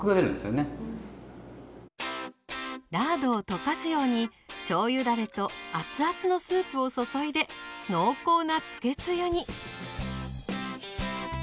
ラードを溶かすようにしょうゆだれと熱々のスープを注いで濃厚なつけつゆに。